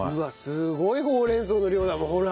すごいほうれん草の量だもんほら。